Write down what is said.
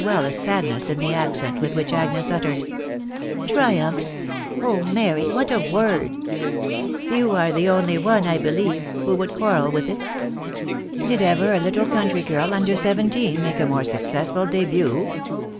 well as sadness in the accent with which Agnes uttered, —« Triumphs ! Oh ! Mary, what a w*rd !"" You are the only one, I believe, who would quarrel with it. Did ever a little country girl under seventeen make t more successful dibut